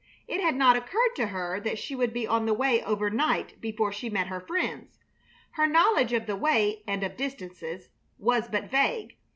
It had not occurred to her that she would be on the way overnight before she met her friends. Her knowledge of the way, and of distances, was but vague.